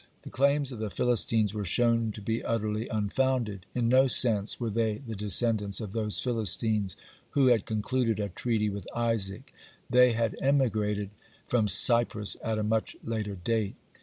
The claims of the Philistines were shown to be utterly unfounded. In no sense were they the descendants of those Philistines who had concluded a treaty with Isaac; they had immigrated from Cyprus at a much later date.